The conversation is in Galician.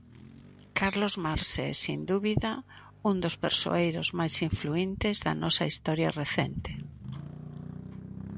Carlos Marx é, sen dúbida, un dos persoeiros máis influíntes da nosa historia recente.